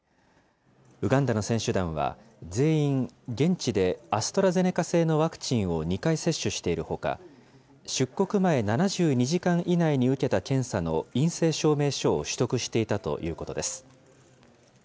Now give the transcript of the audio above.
ウガンダの選手団は、全員現地でアストラゼネカ製のワクチンを２回接種しているほか、出国前７２時間以内に受けた検査の陰性証明書を取得していたということです。